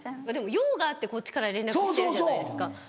用があってこっちから連絡してるじゃないですか。